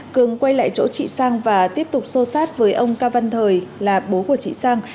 cường quay lại chỗ chị sang và tiếp tục xô sát với ông cao văn thời là bố của chị sang